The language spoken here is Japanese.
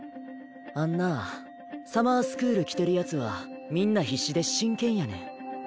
あんなぁサマースクール来てるヤツはみんな必死で真剣やねん。